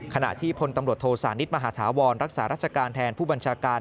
ขณะที่พลตำรวจโทสานิทมหาธาวรรักษาราชการแทนผู้บัญชาการ